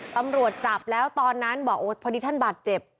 ตำรวจจับแล้วตอนนั้นบอกโอ้พอดีท่านบาดเจ็บ